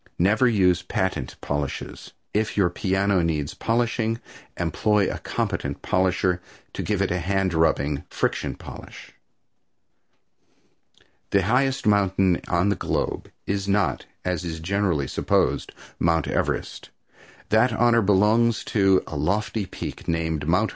Never use patent polishes. If your piano needs polishing employ a competent polisher to give it a hand rubbing friction polish. The highest mountain on the globe is not, as is generally supposed, Mt. Everest, that honor belonging to a lofty peak named Mt.